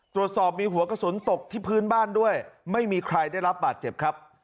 ตรวจสอบมีหัวกระสุนตกที่พื้นบ้านด้วยไม่มีใครได้รับบาดเจ็บครับ